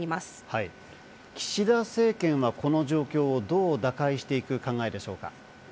はい、岸田政権はこの状況をどう打開していく考えでしょうか？